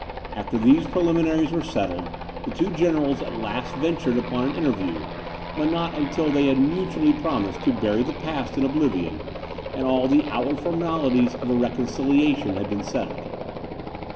After these preliminaries were settled, the two generals at last ventured upon an interview; but not until they had mutually promised to bury the past in oblivion, and all the outward formalities of a reconciliation had been settled.